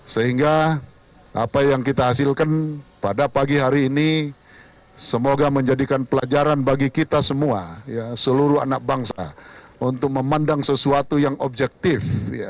sehingga apa yang kita hasilkan pada pagi hari ini semoga menjadikan pelajaran bagi kita semua seluruh anak bangsa untuk memandang sesuatu yang objektif